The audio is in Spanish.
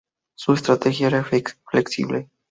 Su estrategia era flexible.